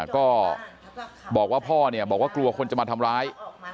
ก็บอกว่าพ่อบอกว่ากลัวคนจะมาทำร้าย